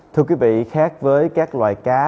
thưa quý vị khác với các loài cá